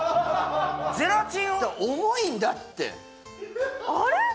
ゼラチンを重いんだってあれっ？